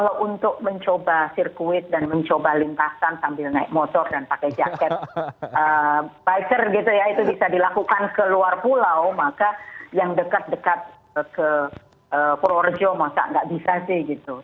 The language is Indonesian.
kalau untuk mencoba sirkuit dan mencoba lintasan sambil naik motor dan pakai jaket biker gitu ya itu bisa dilakukan ke luar pulau maka yang dekat dekat ke purworejo nggak bisa sih gitu